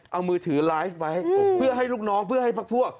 เอามือถือไลฟ์ไว้เพื่อให้ลูกน้องเพื่อให้พักพวก